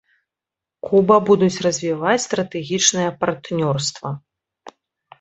Куба будуць развіваць стратэгічнае партнёрства.